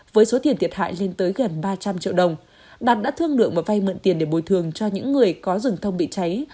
với số tiền thiệt hại lên tới gần ba trăm linh triệu đồng đạt đã thương lượng và vay mượn tiền để bồi thường cho những người có rừng thông bị cháy